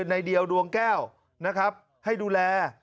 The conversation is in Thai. ในเดียวดวงแก้วนะครับให้ดูแล